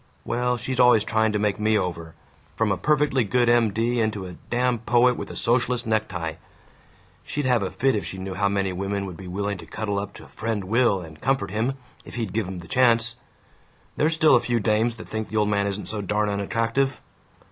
Well, she's always trying to make me over, from a perfectly good M. D. into a damn poet with a socialist necktie! She'd have a fit if she knew how many women would be willing to cuddle up to Friend Will and comfort him, if he'd give 'em the chance! There's still a few dames that think the old man isn't so darn unattractive!